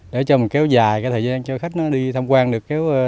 để cho mình kéo dài cái thời gian cho khách nó đi tham quan được kéo